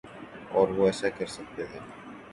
اور وہ ایسا کر سکتے تھے۔